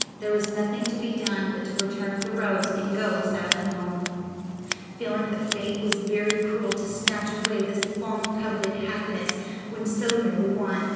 There was nothing to be done but to return the rose and go sadly home, feeling that fate was very cruel to snatch away this long coveted happiness when so nearly won.